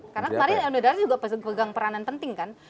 karena kemarin emil dardak juga pegang peranan penting kan